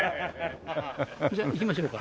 じゃあ行きましょうか。